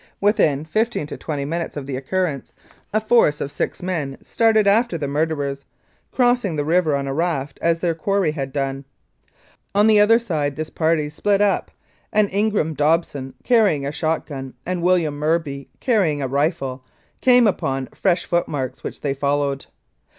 Within fifteen to twenty minutes of the occurrence a force of six men 257 Mounted Police Life in Canada started after the murderers, crossing the river on a raft as their quarry had done. On the other side this party split up, and Ingram Dobson, carrying a shot gun, and William Murby, carrying a rifle, came upon fresh foot marks, which they followed.